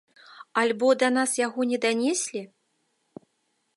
Альбо да нас яго не данеслі?